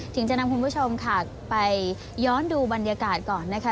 จะนำคุณผู้ชมค่ะไปย้อนดูบรรยากาศก่อนนะคะ